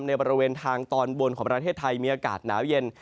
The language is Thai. บริเวณทางตอนบนของประเทศไทยมีอากาศหนาวเย็น